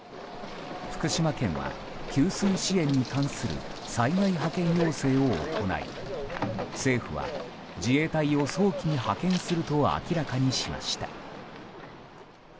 福島県は給水支援に関する災害派遣要請を行い政府は自衛隊を早期に派遣すると明らかにしました。